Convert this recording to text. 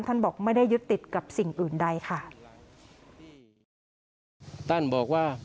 ท่านบอกไม่ได้ยึดติดกับสิ่งอื่นใดค่ะ